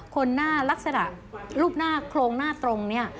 คนหน้าลักษณะรูปหน้าโครงหน้าตรงเนี่ย